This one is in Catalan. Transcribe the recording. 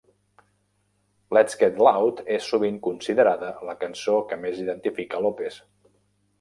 "Let 's Get Loud" és sovint considerada la cançó que més identifica López.